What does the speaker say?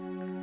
ya ya gak